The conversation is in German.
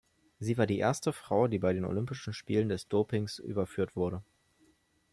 Sie war die erste Frau die bei Olympischen Spielen des Dopings überführt wurde.